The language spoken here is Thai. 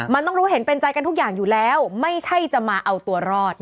มันต้องรู้เห็นเป็นใจกันทุกอย่างอยู่แล้วไม่ใช่จะมาเอาตัวรอด